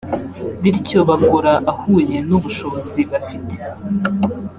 bityo bagura ahuye n’ubushobozi bafite